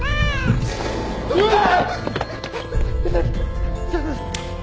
うわーっ！